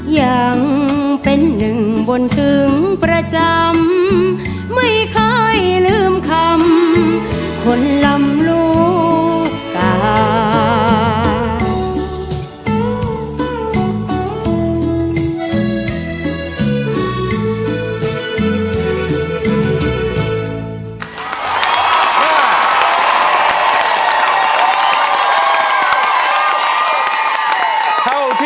ยังเป็นหนึ่งบนถึงประจำไม่เคยลืมคำคนลำลูกกา